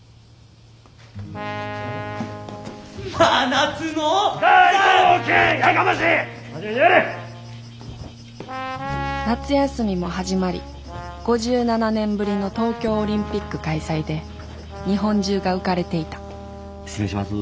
夏休みも始まり５７年ぶりの東京オリンピック開催で日本中が浮かれていた失礼します。